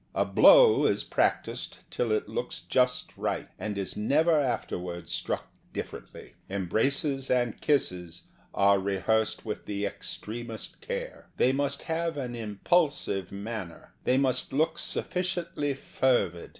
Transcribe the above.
A blow is practised till it looks just right, and is never afterward struck differently. Embraces and kisses are rehearsed with the extremest care. They must have an impulsive manner. They must look sufficiently fervid.